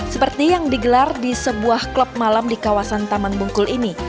seperti yang digelar di sebuah klub malam di kawasan taman bungkul ini